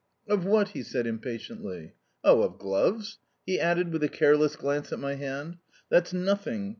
"Of what?" he said impatiently. "Oh, of gloves," he added with a careless glance at my hand. "That's nothing.